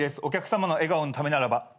お客さまの笑顔のためならば。